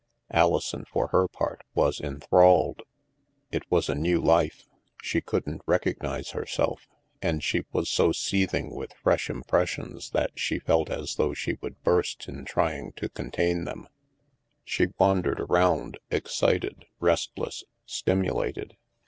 Alison, for her part, was enthralled. It was a new life; she couldn't recognize herself, and she was so seething with fresh impressions that she felt as though she would burst in trying to contain theiti. HAVEN 285 She wandered around, excited, restless, stimulated.